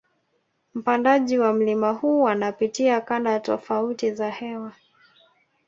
Mpandaji wa mlima huu anapitia kanda tofati za hewa